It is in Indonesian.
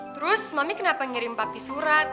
terus suami kenapa ngirim papi surat